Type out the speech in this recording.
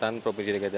untuk punya rak bampu